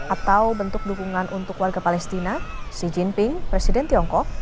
atau bentuk dukungan untuk warga palestina xi jinping presiden tiongkok